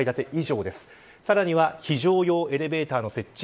さらには非常用エレベーターの設置